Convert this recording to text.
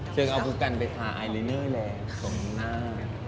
เชิงเอากุ๊กกันไปทาอายเลนเนอร์แหลงตรงหน้า